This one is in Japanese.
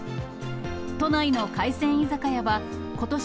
都内の海鮮居酒屋はことし